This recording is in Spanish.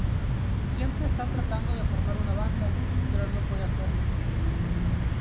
Siempre está tratando de formar una banda, pero no puede hacerlo.